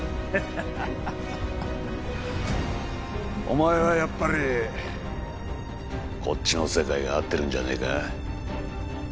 お前はやっぱりこっちの世界が合ってるんじゃねえか？